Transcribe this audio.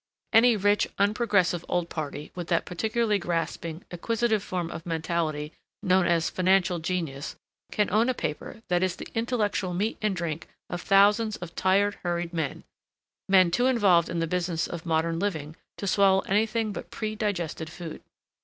Any rich, unprogressive old party with that particularly grasping, acquisitive form of mentality known as financial genius can own a paper that is the intellectual meat and drink of thousands of tired, hurried men, men too involved in the business of modern living to swallow anything but predigested food.